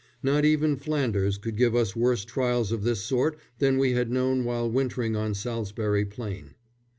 Not even Flanders could give us worse trials of this sort than we had known while wintering on Salisbury Plain.